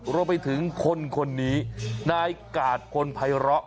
เราไปถึงคนนี้นายกาศคนไพระ